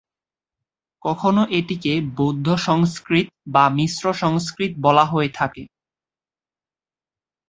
কখনও এটিকে বৌদ্ধ সংস্কৃত বা মিশ্র সংস্কৃত বলা হয়ে থাকে।